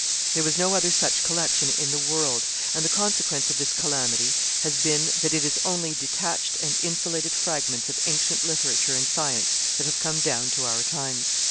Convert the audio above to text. There was no other such collection in the world; and the consequence of this calamity has been, that it is only detached and insulated fragments of ancient literature and science that have come down to our times.